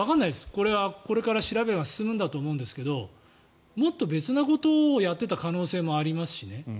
これはこれから調べが進むんだと思うんですがもっと別のことをやっていた可能性もありますしね。